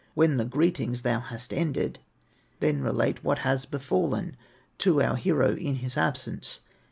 When thy greetings thou hast ended, Then relate what has befallen To our hero in his absence.